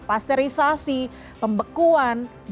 pasterisasi pembekuan dan juga pengawetan makanan